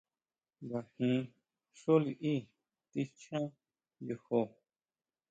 ¿Ngajin xú liʼí tichjan yojó?